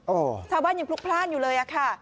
โอ้โหชาวบ้านยังพลุกพลาดอยู่เลยอะค่ะ